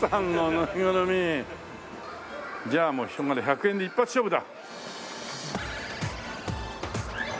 じゃあもうしょうがない１００円で一発勝負だ！